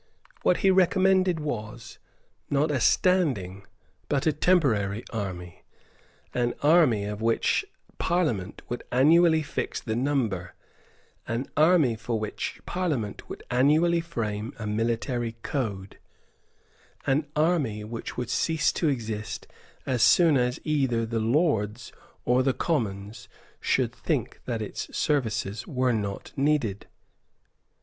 What he recommended was, not a standing, but a temporary army, an army of which Parliament would annually fix the number, an army for which Parliament would annually frame a military code, an army which would cease to exist as soon as either the Lords or the Commons should think that its services were not needed.